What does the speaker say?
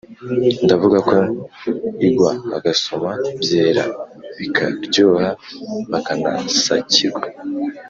ndavugako igwa hagasoma byera bikaryoha bakanasakirwa